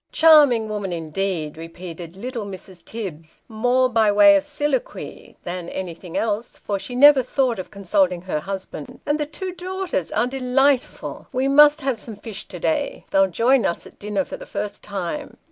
" Charming woman, indeed !" repeated little Mrs. Tibbs, more by way of soliloquy than anything else, for she never thought of consulting her husband. "And the two daughters are delightful. We must have some fish to day ; they'll join us at dinner for the first time."